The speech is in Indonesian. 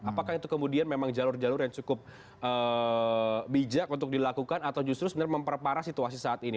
apakah itu kemudian memang jalur jalur yang cukup bijak untuk dilakukan atau justru sebenarnya memperparah situasi saat ini